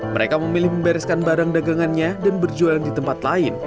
mereka memilih membereskan barang dagangannya dan berjualan di tempat lain